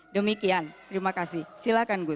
demikian terima kasih silakan gus